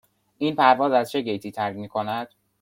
این پرواز از چه گیتی ترک می کند؟